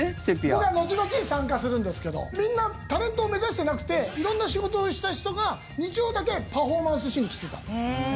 僕は後々参加するんですけどみんなタレントを目指してなくて色んな仕事をしてる人が日曜だけパフォーマンスしに来てたんです。